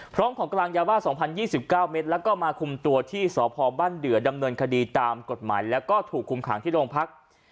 ของกลางยาบ้า๒๐๒๙เมตรแล้วก็มาคุมตัวที่สพบ้านเดือดำเนินคดีตามกฎหมายแล้วก็ถูกคุมขังที่โรงพัก